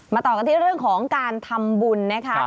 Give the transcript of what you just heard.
ต่อกันที่เรื่องของการทำบุญนะคะ